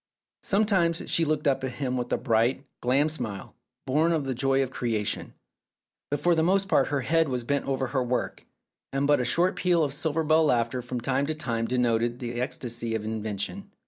Sometimes she looked up at him with a bright, glad smile, born of the joy of creation ; but for the most part her head was bent over her work, and but a short peal of silver bell laughter from time to time denoted the ecstasy of invention.